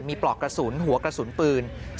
มีปลอกกระสุนหัวกระสุนปืน